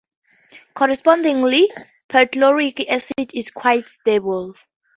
Correspondingly, perchloric acid is quite stable.